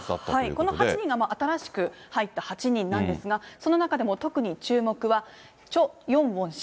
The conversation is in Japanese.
この８人が新しく入った８人なんですが、その中でも特に注目は、チョ・ヨンウォン氏。